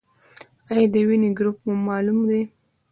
ایا د وینې ګروپ مو معلوم دی؟